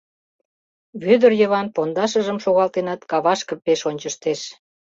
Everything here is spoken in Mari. Вӧдыр Йыван пондашыжым шогалтенат, кавашке пеш ончыштеш.